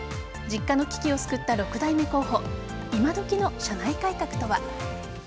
実家の危機を救った６代目候補今どきの社内改革とは。